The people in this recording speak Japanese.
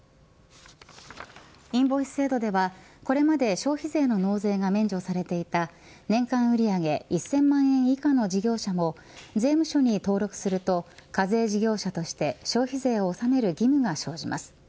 インボイス制度では、これまで消費税の納税が免除されていた年間売り上げ１０００万円以下の事業者も税務署に登録すると課税事業者として消費税を納める義務が生じます。